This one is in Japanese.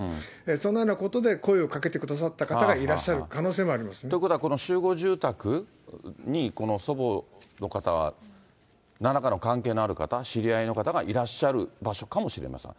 そのようなことで声をかけてくださった方がいらっしゃる可能性もということはこの集合住宅に、祖母の方、なんらかの関係のある方、知り合いの方がいらっしゃる場所かもしれません。